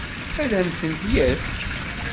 Ad m-tent-yefk?